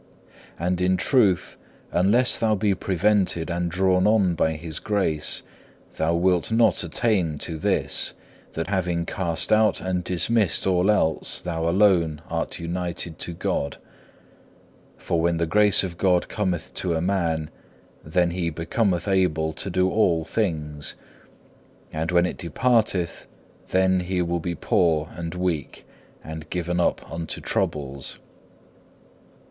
And in truth, unless thou be prevented and drawn on by His grace, thou wilt not attain to this, that having cast out and dismissed all else, thou alone art united to God. For when the grace of God cometh to a man, then he becometh able to do all things, and when it departeth then he will be poor and weak and given up unto troubles.